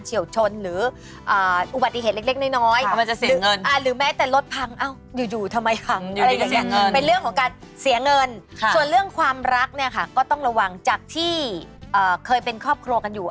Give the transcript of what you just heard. ส่วนเรื่องความรักก็ต้องระวังจากที่เคยเป็นครอบครัวกันอยู่